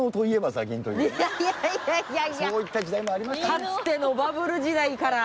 かつてのバブル時代から。